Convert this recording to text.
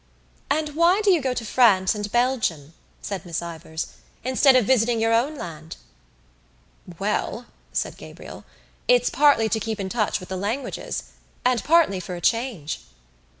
"And why do you go to France and Belgium," said Miss Ivors, "instead of visiting your own land?" "Well," said Gabriel, "it's partly to keep in touch with the languages and partly for a change."